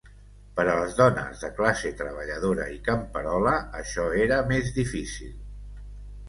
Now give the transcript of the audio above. Per a les dones de classe treballadora i camperola això era més difícil.